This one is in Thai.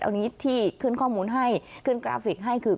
อันนี้ที่ขึ้นข้อมูลให้ขึ้นกราฟิกให้คือ